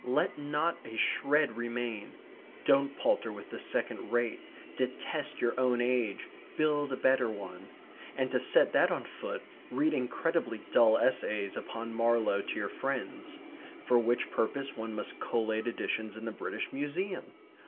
Let not a shred remain. Don't palter with the second rate. Detest your own age. Build a better one. And to set that on foot read incredibly dull essays upon Marlowe to your friends. For which purpose one most collate editions in the British Museum.